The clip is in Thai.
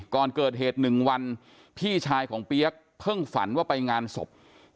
ก่อนเกิดเหตุ๑วันพี่ชายของเปี๊ยกเพิ่งฝันว่าไปงานศพ